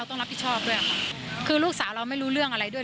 ต้องรับผิดชอบด้วยค่ะคือลูกสาวเราไม่รู้เรื่องอะไรด้วย